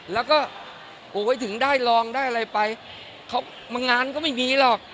แล้วก็ถึงได้รองได้อะไรไปเขาบางงานก็ไม่มีหรอก